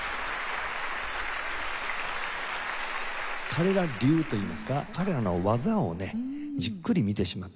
彼ら流といいますか彼らの技をねじっくり見てしまった。